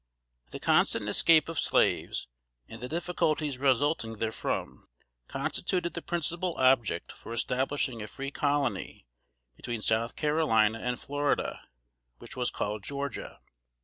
The constant escape of slaves, and the difficulties resulting therefrom, constituted the principal object for establishing a free colony between South Carolina and Florida, which was called Georgia.